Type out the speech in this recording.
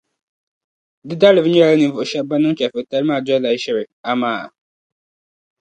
Di daliri nyɛla ninvuɣu shεba ban niŋ chεfuritali maa dolila ʒiri, amaa!